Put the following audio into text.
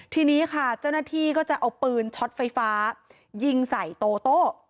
ทีนี้ค่ะเจ้าหน้าที่ก็จะเอาปืนช็อตไฟฟ้ายิงใส่โตโต้